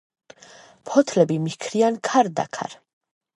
ფოთლები მიჰქრიან ქარდაქარ.